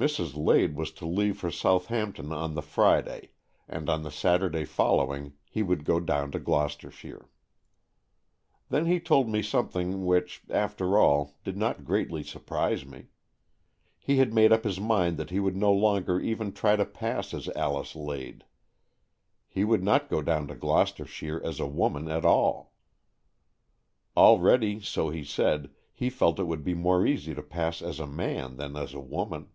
Mrs. Lade was to leave for Southampton on the Friday, and on the Saturday following he would go down to Gloucestershire. Then he told me something which, after all, did not greatly surprise me. He had made up his mind that he would no longer even try to pass as Alice Lade. He would not go down to Gloucestershire as a woman at all. Already, so he said, he felt it would be more easy to pass as a man than as a woman.